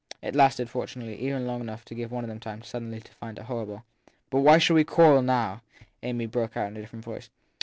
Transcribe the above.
It lasted, fortunately, even long enough to give one of them time suddenly to find it horrible. But why should we quarrel now ? Amy broke out in a different voice.